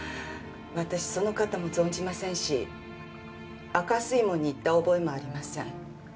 私その方も存じませんし赤水門に行った覚えもありません。